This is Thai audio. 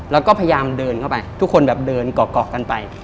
แล้วก็พยายามเดินเข้าไปทุกคนแบบเดินเกาะกันไป